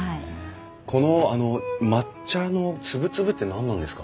この抹茶のつぶつぶって何なんですか？